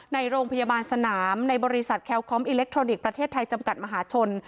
ในโรงพยาบาลสนามในบริษัทแคลคอมอิเล็กทรอนิกส์ประเทศไทยจำกัดมหาชน